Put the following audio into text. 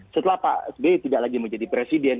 setelah pak sby tidak lagi menjadi presiden